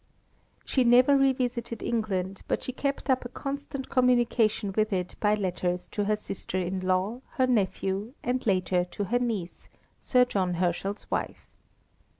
She never revisited England, but she kept up a constant communication with it by letters to her sister in law, her nephew, and later to her niece, Sir John Herschel's wife.